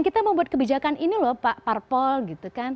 kita membuat kebijakan ini lho pak parpol gitu kan